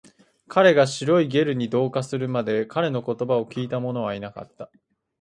彼が白いゲルに同化するまで、彼の言葉を聞いたものはいなかった